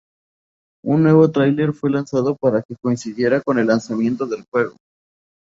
Un nuevo tráiler fue lanzado para que coincidiera con el lanzamiento del juego.